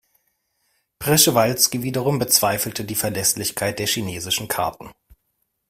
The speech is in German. Prschewalski wiederum bezweifelte die Verlässlichkeit der chinesischen Karten.